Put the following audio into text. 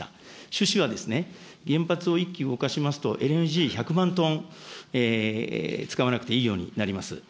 趣旨は原発を１基動かしますと、ＬＮＧ１００万トン使わなくていいようになります。